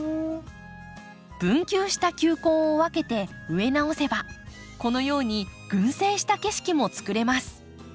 分球した球根を分けて植え直せばこのように群生した景色も作れます。